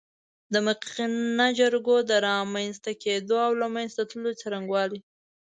د مقننه جرګو د رامنځ ته کېدو او له منځه تللو څرنګوالی